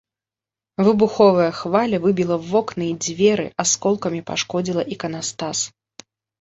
Выбуховая хваля выбіла вокны і дзверы, асколкамі пашкодзіла іканастас.